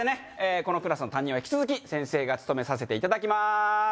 このクラスの担任は引き続き先生が務めさせていただきます